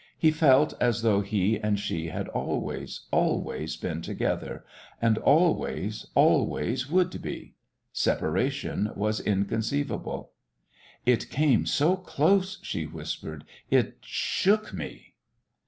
He felt as though he and she had always, always been together, and always, always would be. Separation was inconceivable. "It came so close," she whispered. "It shook me!"